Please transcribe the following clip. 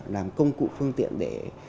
làm công cụ phương tiện cho các đối tượng khác